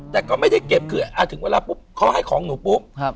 แต่ก็ไม่ได้เก็บคือถึงเวลาปุ๊บเขาให้ของหนูปุ๊บ